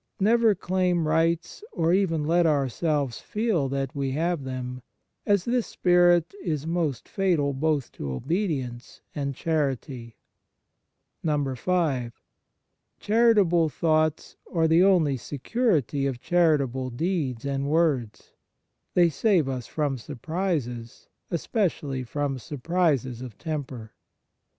Never claim rights or even let ourselves feel that we have them, as this spirit is most fatal both to obedience and charity. 5. Charitable thoughts are the only security of charitable deeds and words. They save us from surprises, especially from surprises of temper.